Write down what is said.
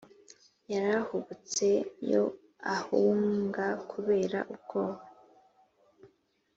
Yarahubutse yo ahunga kubera ubwoba